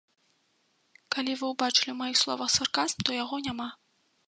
Калі вы ўбачылі ў маіх словах сарказм, то яго няма.